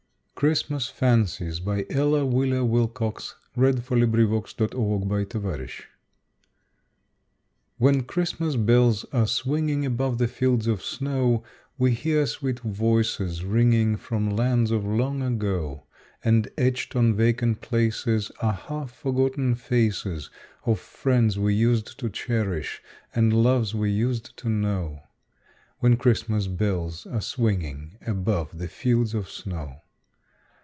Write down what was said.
lo, thou shalt hear it, And all God's joys shall be at thy command. CHRISTMAS FANCIES When Christmas bells are swinging above the fields of snow, We hear sweet voices ringing from lands of long ago, And etched on vacant places Are half forgotten faces Of friends we used to cherish, and loves we used to know— When Christmas bells are swinging above the fields of snow.